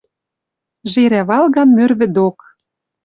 Жерӓ валган мӧр вӹдок.